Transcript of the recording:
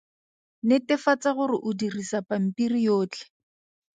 Netefatsa gore o dirisa pampiri yotlhe.